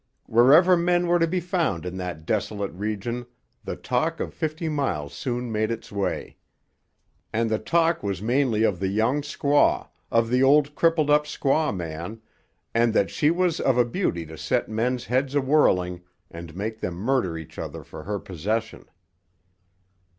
Wherever men were to be found in that desolate region the talk of Fifty Mile soon made its way. And the talk was mainly of the young squaw, of the old crippled up squaw man, and that she was of a beauty to set men's heads a whirling and make them murder each other for her possession.